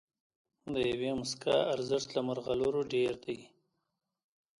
د یوې موسکا ارزښت له مرغلرو ډېر دی.